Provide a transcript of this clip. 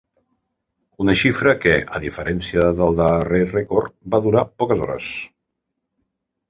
Una xifra que, a diferència del darrer rècord, va durar poques hores.